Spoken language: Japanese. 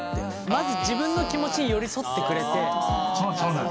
まず自分の気持ちに寄り添ってくれて。